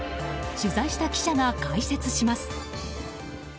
取材した記者が解説します。